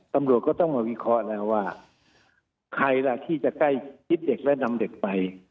ตำรวจก็ต้องมาวิเคราะห์แล้วว่าใครล่ะที่จะใกล้ชิดเด็กและนำเด็กไป